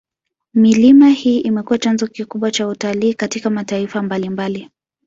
Milima hii imekuwa chanzo kikubwa cha utalii katika mataifa mabalimbali